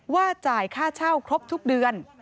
จ่ายค่าเช่าครบทุกเดือน